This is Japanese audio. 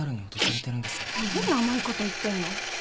何甘いこと言ってんの？